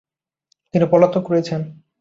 তিনি পলাতক রয়েছেন।